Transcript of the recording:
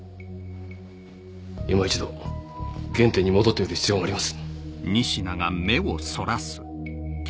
いま一度原点に戻ってみる必要があります・・